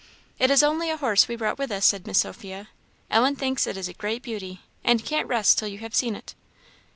"It is only a horse we brought with us," said Miss Sophia. "Ellen thinks it is a great beauty, and can't rest till you have seen it."